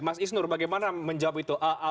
mas isnur bagaimana menjawab itu